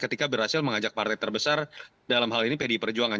ketika berhasil mengajak partai terbesar dalam hal ini pdi perjuangan